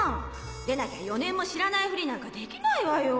でなきゃ４年も知らないフリなんかできないわよ。